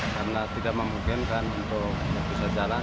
karena tidak memungkinkan untuk bisa jalan